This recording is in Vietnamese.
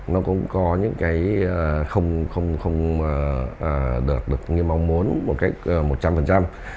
nó cũng có những cái không được như mong muốn một cách một trăm linh